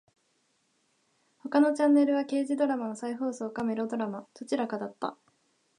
他のチャンネルは刑事ドラマの再放送かメロドラマ。どちらかだった。